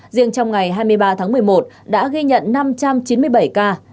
riêng trong ngày hai mươi ba tháng một mươi một đã ghi nhận năm trăm chín mươi bảy ca